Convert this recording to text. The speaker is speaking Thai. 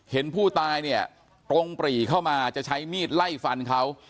เห็นผู้ตายเนี่ยตรงปรีเข้ามาจะใช้มีดไล่ฟันเขา